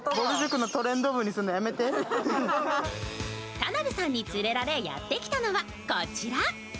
田辺さんに連れられやってきたのは、こちら。